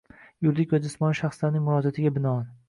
yuridik va jismoniy shaxslarning murojaatiga binoan